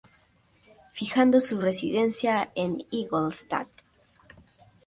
Fijando su residencia en Ingolstadt.